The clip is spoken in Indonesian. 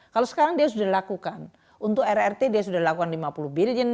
kalau sekarang dia sudah lakukan untuk rrt dia sudah lakukan lima puluh billion